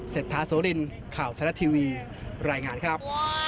เศรษฐาโสลินข่าวทรัฐทีวีรายงานครับ